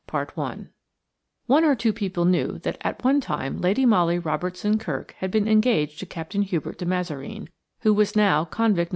XIITHE END ONE or two people knew that at one time Lady Molly Robertson Kirk had been engaged to Captain Hubert de Mazareen, who was now convict No.